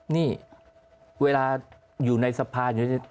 นี่เวลาอยู่ในสภา